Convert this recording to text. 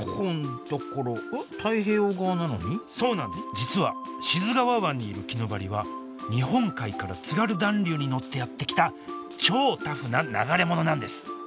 実は志津川湾にいるキヌバリは日本海から津軽暖流に乗ってやって来た超タフな流れ者なんです